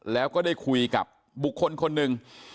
แล้วก็ได้คุยกับบุคคลคนหนึ่ง